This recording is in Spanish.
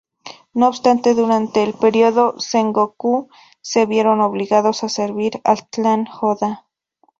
No obstante, durante el periodo Sengoku se vieron obligados a servir al clan Oda.